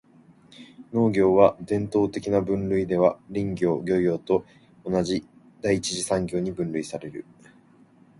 農業は、伝統的な分類では林業・漁業と同じ第一次産業に分類される。